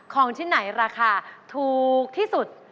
ของชิ้นไหนราคาถูกที่สุด